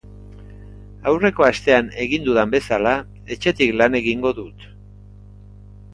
Aurreko astean egin dudan bezala, etxetik lan egingo dut.